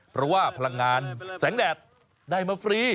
เพราะว่าพลังงานแสงแดดได้มาฟรี